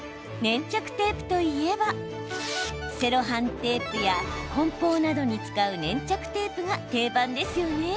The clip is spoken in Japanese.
テープといえばセロハンテープやこん包などに使う粘着テープが定番ですよね。